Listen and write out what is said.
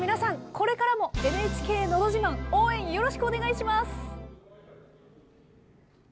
これからも「ＮＨＫのど自慢」応援よろしくお願いします！